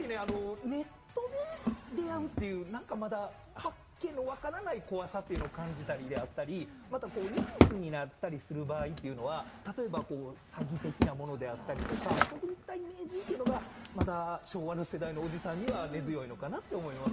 ネットで出会うってまだはっきりわからない怖さであったり、ニュースになったりする場合というのは、例えば詐欺的なものであったりとか、そういったイメージというのが、まだ昭和の世代のおじさんには根強いのかなという感じで。